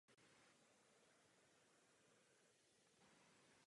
Někdy se též sbírá celá kvetoucí nať.